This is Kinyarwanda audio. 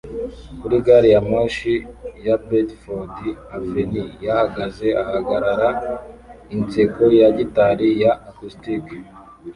Kuri gari ya moshi ya Bedford Avenue yahagaze ahagarara inseko ya gitari ya acoustic